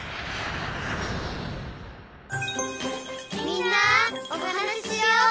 「みんなおはなししよう」